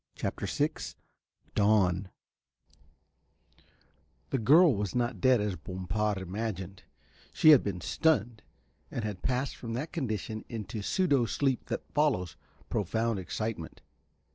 CHAPTER VI DAWN The girl was not dead as Bompard imagined, she had been stunned and had passed from that condition into the pseudo sleep that follows profound excitement.